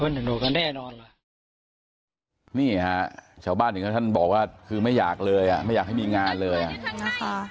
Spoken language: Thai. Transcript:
นี่เหรอชาวบ้านอย่างนั้นท่านบอกว่าคือไม่อยากเลยอ่ะไม่อยากให้มีงานเลยล่ะ